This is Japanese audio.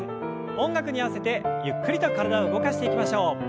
音楽に合わせてゆっくりと体を動かしていきましょう。